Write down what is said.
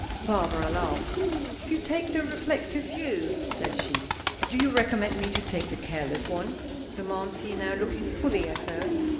Barbara laughed. "Do you take the reflective view?" says she. "Do you recommend me to take the careless one?" demands he, now looking fully at her.